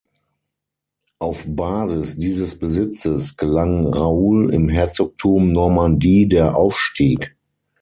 Auf Basis dieses Besitzes gelang Raoul im Herzogtum Normandie der Aufstieg.